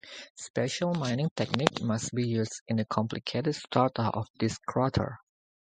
Special mining techniques must be used in the complicated strata of this crater.